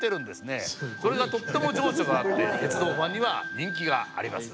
それがとっても情緒があって鉄道ファンには人気があります。